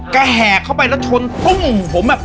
แกแหกเข้าไปแล้วชนผมแบบ